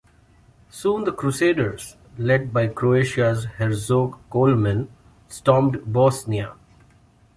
Soon the Crusaders, led by Croatia's Herzog Coloman, stormed Bosnia.